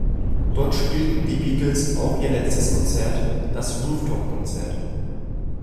Dort spielten die Beatles auch ihr letztes Konzert, das Rooftop Concert.